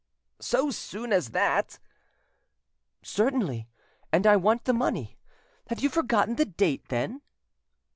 "So soon as that?" "Certainly, and I want the money. Have you forgotten the date, then?"